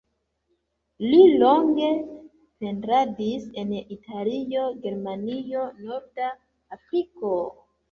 Li longe pentradis en Italio, Germanio, Norda Afriko.